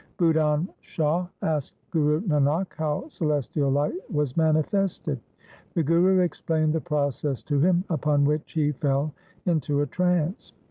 Budhan Shah asked Guru Nanak how celestial light was manifested. The Guru explained the process to him, upon which he fell into a trance.